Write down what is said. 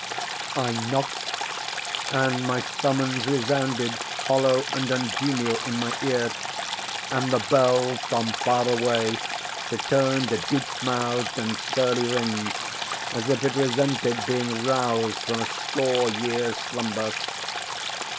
I knocked, and my summons resounded hollow and ungenial in my ear; and the bell, from far away, returned a deep mouthed and surly ring, as if it resented being roused from a score years' slumber.